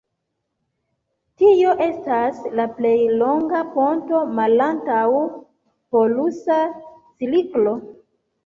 Tio estas la plej longa ponto malantaŭ polusa cirklo.